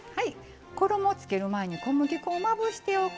衣つける前に小麦粉をまぶしておく。